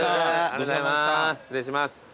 失礼します。